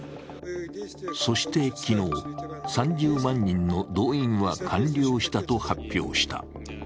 そして昨日、３０万人の動員は完了したと発表した。